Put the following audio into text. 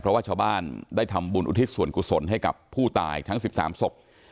เพราะว่าชาวบ้านได้ทำบุญอุทิศส่วนกุศลให้กับผู้ตายทั้ง๑๓ศพ